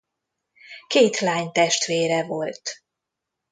Két lánytestvére volt.